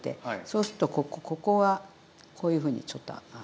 そうするとここはこういうふうにちょっと。